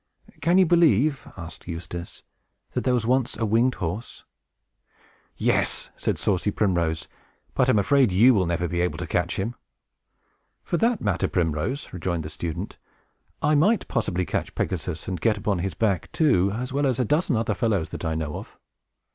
"Can you believe," asked Eustace, "that there was once a winged horse?" "Yes," said saucy Primrose; "but I am afraid you will never be able to catch him." "For that matter, Primrose," rejoined the student, "I might possibly catch Pegasus, and get upon his back, too, as well as a dozen other fellows that I know of.